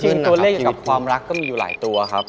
จริงตัวเลขกับความรักก็มีหลายตัวครับ